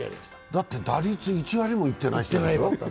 だって打率１割もいってないでしょ。